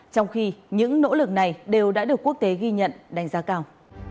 trong khi những nỗ lực này đều đã được quốc tế ghi nhận đánh giá cao